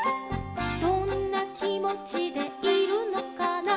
「どんなきもちでいるのかな」